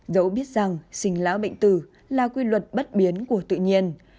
dẫu biết rằng xình lão bệnh tử là quy luật bất biến của tự nhiên